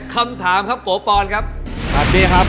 คำถามครับโปปรณ์ครับ